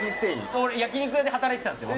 そう俺焼肉屋で働いてたんですよ